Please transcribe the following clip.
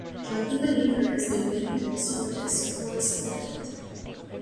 Directly beneath her is the Winged Solar Disk, Horus of Behdet.